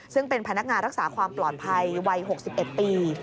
ซึ่งเป็นพนักงานรักษาความปลอดภัยวัย๖๑ปี